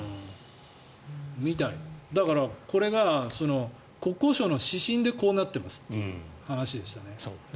だからこれが国交省の指針でこうなっていますという話でしたね。